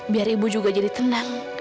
biar ibu juga jadi tenang